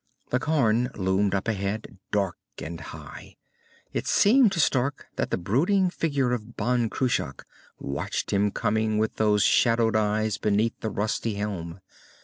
The cairn loomed up ahead, dark and high. It seemed to Stark that the brooding figure of Ban Cruach watched him coming with those shadowed eyes beneath the rusty helm.